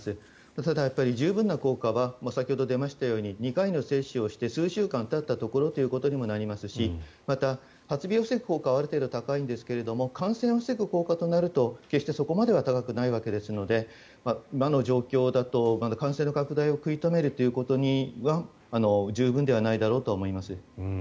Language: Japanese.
ただ、十分な効果は先ほど出ましたように２回の接種をして数週間たったところになりますしまた、発病を防ぐ効果はある程度効果はあるんですが感染を防ぐ効果となるとそこまで高くはないわけですので今の状況だと感染の拡大を食い止めるということには十分ではないだろうと思います。